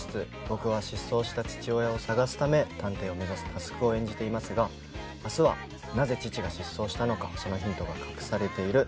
僕は失踪した父親を捜すため探偵を目指す匡を演じていますが明日はなぜ父が失踪したのかそのヒントが隠されている大切な回になります。